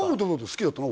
好きだったの？